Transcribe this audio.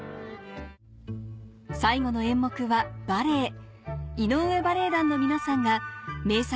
最後の演目はバレエ井上バレエ団の皆さんが名作